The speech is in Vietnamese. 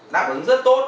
đáp ứng rất tốt